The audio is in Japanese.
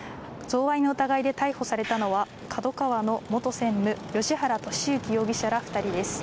贈賄の疑いで逮捕されたのは、ＫＡＤＯＫＡＷＡの元専務、芳原世幸容疑者ら２人です。